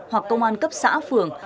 hoặc công an cấp xã phường